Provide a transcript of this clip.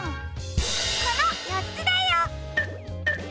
このよっつだよ！